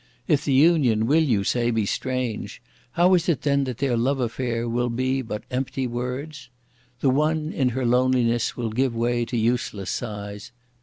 If the union will you say, be strange, how is it then that their love affair will be but empty words? The one in her loneliness will give way to useless sighs.